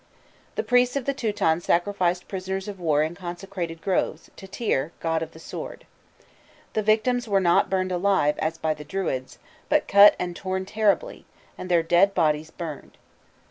The priests of the Teutons sacrificed prisoners of war in consecrated groves, to Tyr, god of the sword. The victims were not burned alive, as by the Druids, but cut and torn terribly, and their dead bodies burned.